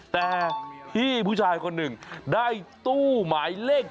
แต่พี่ผู้ชายคนหนึ่งได้ตู้หมายเลข